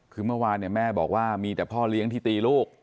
คือเมื่อวานแม่บอกว่ามีแต่พ่อเลี้ยงที่ตีลูก